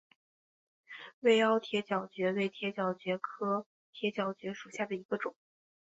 微凹铁角蕨为铁角蕨科铁角蕨属下的一个种。